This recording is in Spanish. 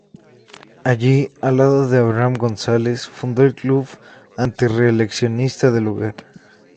Allí, al lado de Abraham González, fundó el Club Antirreeleccionista del lugar.